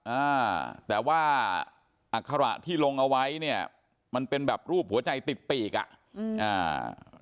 อ่าแต่ว่าอัคระที่ลงเอาไว้เนี่ยมันเป็นแบบรูปหัวใจติดปีกอ่ะอืมอ่า